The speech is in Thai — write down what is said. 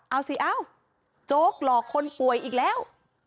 เอาสิเอ้าโจ๊กหลอกคนป่วยอีกแล้ว